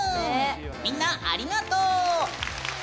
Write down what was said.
みんなありがとう！